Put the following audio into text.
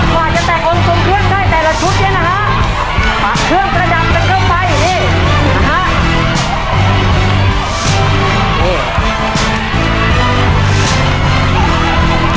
ว่าจะแต่งองค์สุมเครื่องให้แต่ละชุดนี้นะฮะเครื่องกระดับเป็นเครื่องไฟอย่างนี้นะฮะ